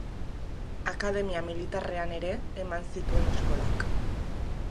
Akademia militarrean ere eman zituen eskolak.